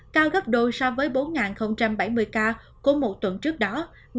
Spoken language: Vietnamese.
cao gấp đôi so với bốn bảy mươi ca của một tuần trước đó